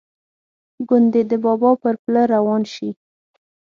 ګوندې د بابا پر پله روان شي.